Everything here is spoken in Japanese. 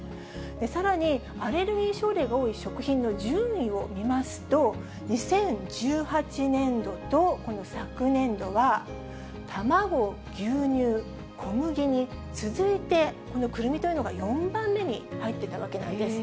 さらに、アレルギー症例が多い食品の順位を見ますと、２０１８年度と昨年度は、卵、牛乳、小麦に続いて、くるみというのが４番目に入ってたわけなんです。